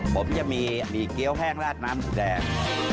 ผมจะมีเกี๊ยวแห้งราดน้ำแสง